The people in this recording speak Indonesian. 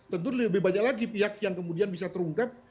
tentu lebih banyak lagi pihak yang kemudian bisa terungkap